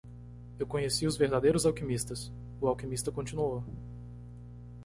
"Eu conheci os verdadeiros alquimistas?" o alquimista continuou.